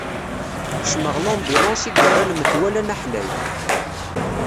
Kecmeɣ lambilanṣ i yerran metwal anaḥlay.